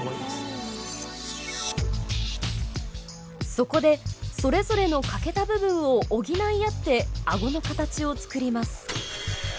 そこでそれぞれの欠けた部分を補い合ってあごの形を作ります。